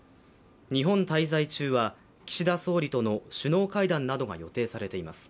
日本滞在中は岸田総理との首脳会談などが予定されています。